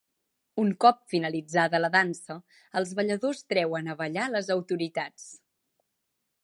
Un cop finalitzada la Dansa, els balladors treuen a ballar les autoritats.